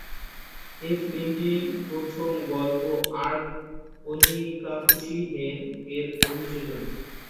এই ফিল্মটি প্রথম গল্প আর্ক, "ওনিকাকুশি-হেন"-এর অভিযোজন।